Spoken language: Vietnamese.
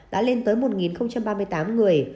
đã lên tới một ba mươi tám người